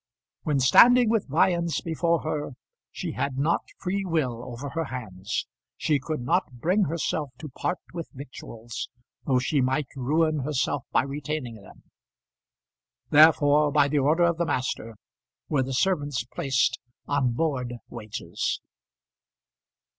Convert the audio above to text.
When standing with viands before her, she had not free will over her hands. She could not bring herself to part with victuals, though she might ruin herself by retaining them. Therefore, by the order of the master, were the servants placed on board wages.